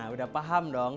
udah paham dong